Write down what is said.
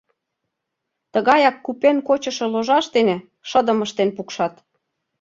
Тыгаяк купен кочышо ложаш дене шыдым ыштен пукшат.